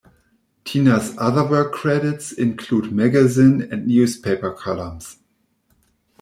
Tina's other work credits include magazine and newspaper columns.